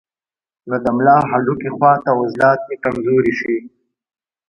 نو د ملا د هډوکي خواته عضلات ئې کمزوري شي